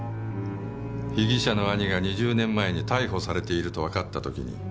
被疑者の兄が２０年前に逮捕されているとわかった時に。